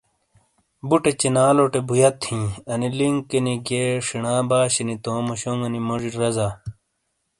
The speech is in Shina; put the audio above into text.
بُٹے چِینالوٹے بُویت ہِیں، انی لِنکینی (Link) گِئیے ݜِیݨا باشِینی تومو شونگو نی موڙی رزا۔